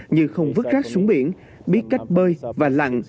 như không vứt rác xuống biển biết cách bơi và lặn